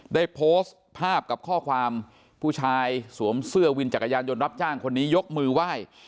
ได้โพสต์ภาพกับข้อความผู้ชายสวมเสื้อวินจักรยานยนต์รับจ้างคนนี้ยกมือไหว้